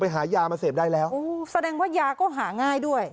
หายามาเสพได้แล้วโอ้แสดงว่ายาก็หาง่ายด้วย